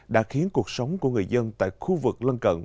đã khiến cuộc sống của người dân tại khu vực lân cận